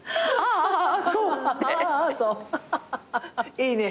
いいね。